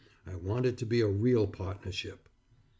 I want it to be a real partnership.